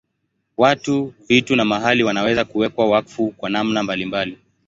Watu, vitu na mahali wanaweza kuwekwa wakfu kwa namna mbalimbali.